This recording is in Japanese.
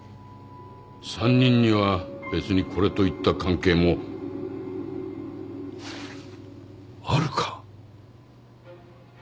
３人には別にこれといった関係もあるか！